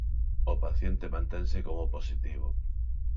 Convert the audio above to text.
O paciente mantense como positivo.